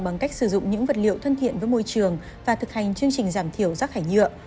bằng cách sử dụng những vật liệu thân thiện với môi trường và thực hành chương trình giảm thiểu rác thải nhựa